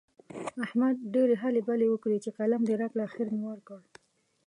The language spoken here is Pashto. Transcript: احمد ډېرې هلې بلې وکړې چې قلم دې راکړه؛ اخېر مې ورکړ.